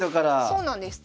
そうなんです。